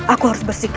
aku harus bersikap